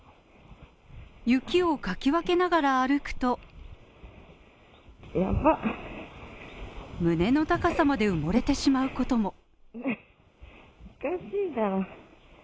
雪をかき分けながら歩くと胸の高さまで埋もれてしまうことも。